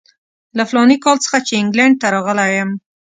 له فلاني کال څخه چې انګلینډ ته راغلی یم.